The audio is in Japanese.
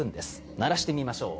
鳴らしてみましょう。